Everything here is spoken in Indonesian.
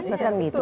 maksudnya kan gitu